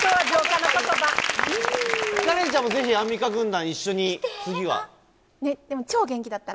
カレンちゃんもぜひ、アンミカ軍団、超元気だったら。